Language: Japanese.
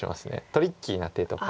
トリッキーな手とか。